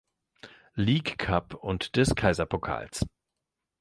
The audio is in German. League Cup und des Kaiserpokals.